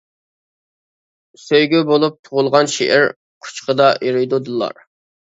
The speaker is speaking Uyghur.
سۆيگۈ بولۇپ تۇغۇلغان شېئىر، قۇچىقىدا ئېرىيدۇ دىللار.